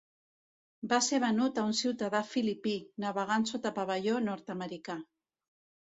Va ser venut a un ciutadà filipí, navegant sota pavelló nord-americà.